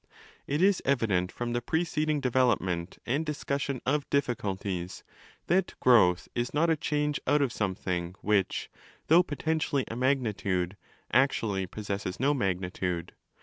°® It is evident, from the preceding ὃ development and dis cussion of difficulties, that growth is not a change out of something which, though potentially a magnitude, actually possesses no magnitude.